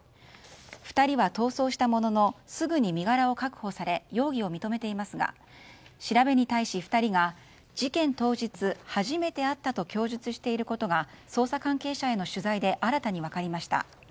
２人は逃走したもののすぐに身柄を確保され容疑を認めていますが調べに対し、２人が事件当日、初めて会ったと供述していることが捜査関係者への取材で新たに分かりました。